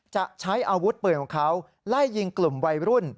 จะใช้อาวุธปืนของเขาไล่ยิงกลุ่มวัยรุ่น